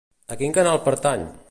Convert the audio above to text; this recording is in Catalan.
A quin canal pertany?